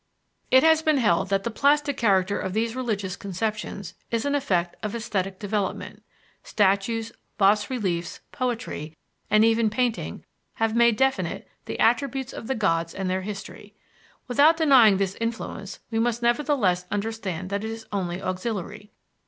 It has been held that the plastic character of these religious conceptions is an effect of esthetic development: statues, bas reliefs, poetry, and even painting, have made definite the attributes of the gods and their history. Without denying this influence we must nevertheless understand that it is only auxiliary.